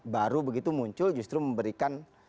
baru begitu muncul justru memberikan